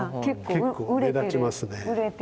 結構目立ちますね。